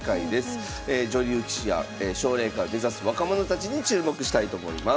女流棋士や奨励会を目指す若者たちに注目したいと思います。